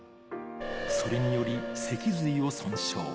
それにより脊髄を損傷。